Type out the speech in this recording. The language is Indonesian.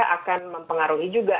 akan mempengaruhi juga